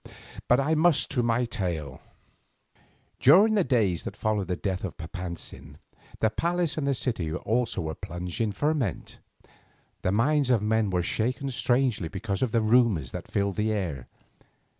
But I must to my tale. During the days that followed the death of Papantzin the palace and the city also were plunged in ferment. The minds of men were shaken strangely because of the rumours that filled the air.